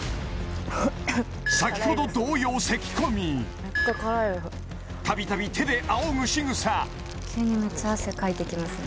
先ほど同様咳き込みたびたび手で扇ぐしぐさ急にめっちゃ汗かいてきますね